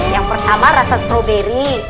yang pertama rasa strawberry